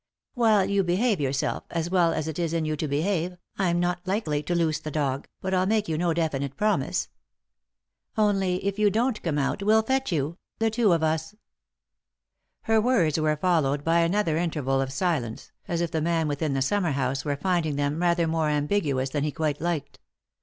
" While you behave yourself, as well as it is in you to behave, I'm not likely to loose the dog, but I'll make you no definite promise. Only, if you don't come out we'll fetch you — the two of us." Her words were followed by another interval 01 silence, as if the man within the summer house were finding them rather more ambiguous than he quite liked.